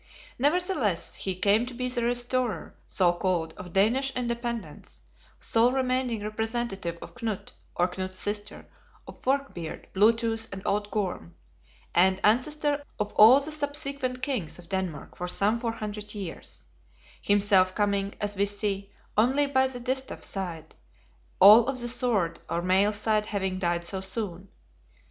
Nevertheless he came to be the Restorer, so called, of Danish independence; sole remaining representative of Knut (or Knut's sister), of Fork beard, Blue tooth, and Old Gorm; and ancestor of all the subsequent kings of Denmark for some 400 years; himself coming, as we see, only by the Distaff side, all of the Sword or male side having died so soon.